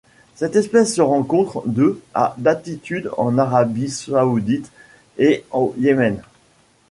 Cette espèce se rencontre de à d'altitude en Arabie saoudite et au Yémen.